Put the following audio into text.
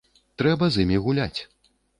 Трэба з імі гуляць.